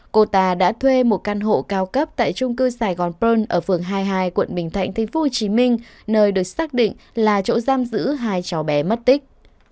cô ta đã thuê một căn hộ cao cấp tại trung cư sài gòn pơn ở phường hai mươi hai quận bình thạnh tp hcm nơi được xác định là chỗ giam giữ hai cháu bé mất tích